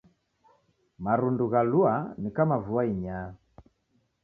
Marundu ghalua ni kama vua inyaa